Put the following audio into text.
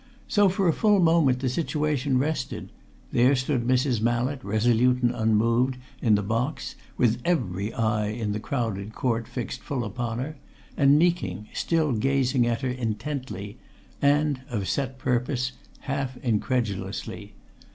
So for a full moment the situation rested there stood Mrs. Mallett, resolute and unmoved, in the box, with every eye in the crowded court fixed full upon her, and Meeking still gazing at her intently and, of set purpose, half incredulously.